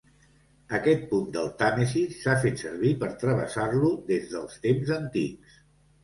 Aquest punt del Tàmesi s'ha fet servir per travessar-lo des dels temps antics.